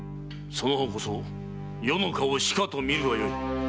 その方こそ余の顔をしかと見るがよい。